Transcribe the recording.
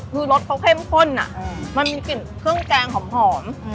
คือรสเขาเข้มข้นมันมีกลิ่นเครื่องแกงหอม